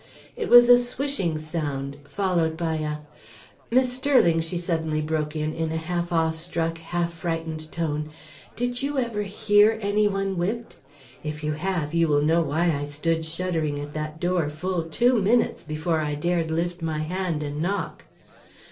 It was a swishing sound, followed by a Miss Sterling," she suddenly broke in, in a half awe struck, half frightened tone, "did you ever hear any one whipped? If you have, you will know why I stood shuddering at that door full two minutes before I dared lift my hand and knock.